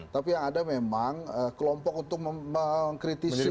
tapi yang ada memang kelompok untuk mengkritisi